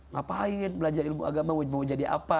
ngapain belajar ilmu agama mau jadi apa